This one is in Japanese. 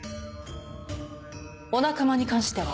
お仲間に関しては？